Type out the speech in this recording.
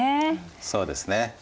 そうですね。